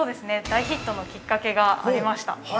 大ヒットのきっかけがありました。